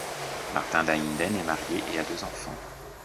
Martin Dahinden est marié et a deux enfants.